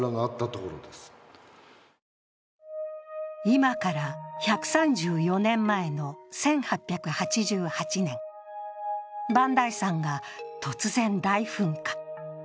今から１３４年前の１８８８年、磐梯山が突然、大噴火。